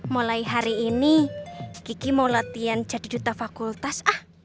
mulai hari ini kiki mau latihan jadi duta fakultas ah